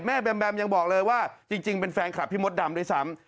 แบมแบมยังบอกเลยว่าจริงเป็นแฟนคลับพี่มดดำด้วยซ้ำ